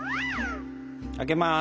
開けます！